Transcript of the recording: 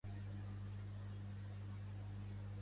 S'associaran amb el de la liana.